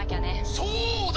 そうだ！